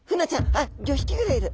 あっ５匹ぐらいいる。